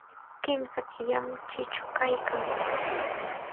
Kimsa killanam chichu kaykan.